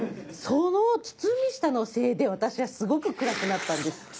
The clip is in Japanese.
その堤下のせいで私はすごく暗くなったんです。